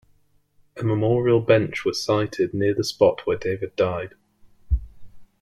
A memorial bench was sited near the spot where David died.